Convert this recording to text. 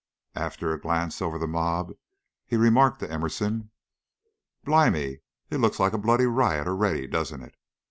After a glance over the mob, he remarked to Emerson: "Bli'me! It looks like a bloody riot already, doesn't it?